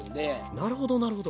なるほどなるほど。